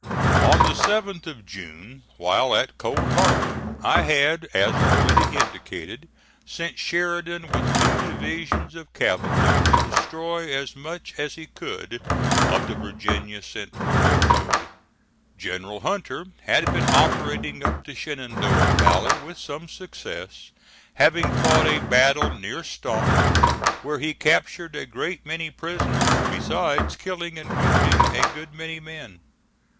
On the 7th of June, while at Cold Harbor, I had as already indicated sent Sheridan with two divisions of cavalry to destroy as much as he could of the Virginia Central Railroad. General Hunter had been operating up the Shenandoah Valley with some success, having fought a battle near Staunton where he captured a great many prisoners, besides killing and wounding a good many men.